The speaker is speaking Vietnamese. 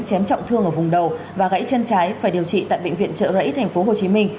chém trọng thương ở vùng đầu và gãy chân trái phải điều trị tại bệnh viện trợ rẫy tp hcm